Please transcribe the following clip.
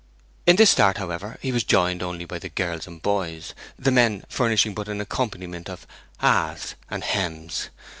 In this start, however, he was joined only by the girls and boys, the men furnishing but an accompaniment of ahas and hems.